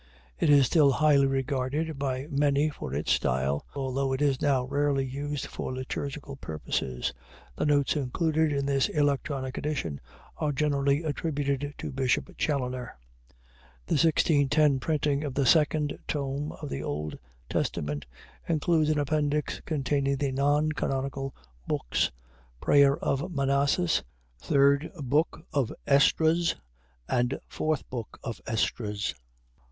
It is still highly regarded by many for its style, although it is now rarely used for liturgical purposes. The notes included in this electronic edition are generally attributed to Bishop Challoner. The 1610 printing of the second tome of the Old Testament includes an appendix containing the non canonical books 'Prayer of Manasses,' 'Third Booke of Esdras,' and 'Fourth Booke of Esdras.'